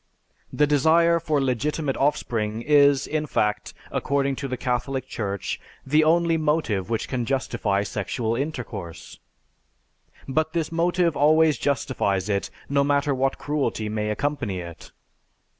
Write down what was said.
The desire for legitimate offspring is, in fact, according to the Catholic Church, the only motive which can justify sexual intercourse. But this motive always justifies it, no matter what cruelty may accompany it.